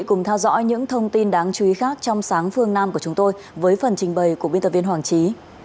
cùng theo dõi những thông tin đáng chú ý khác trong sáng phương nam của chúng tôi với phần trình bày của biên tập viên hoàng trí